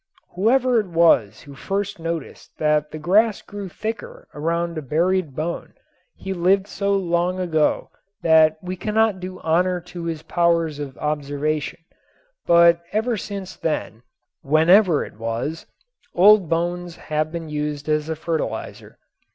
Whoever it was who first noticed that the grass grew thicker around a buried bone he lived so long ago that we cannot do honor to his powers of observation, but ever since then whenever it was old bones have been used as a fertilizer.